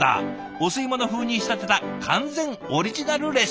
お吸い物風に仕立てた完全オリジナルレシピ。